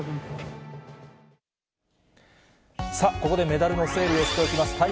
ここでメダルの整理をしておきます。